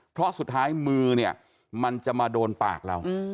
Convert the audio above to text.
เพราะสุดท้ายมือเนี่ยมันจะมาโดนปากเรา